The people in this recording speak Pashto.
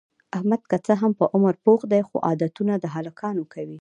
احمد که څه هم په عمر پوخ دی، خو عادتونه د هلکانو کوي.